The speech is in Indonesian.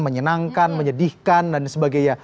menyenangkan menyedihkan dan sebagainya